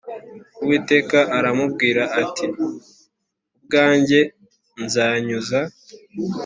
Uwiteka aramubwira ati Ubwanjye nzanyuza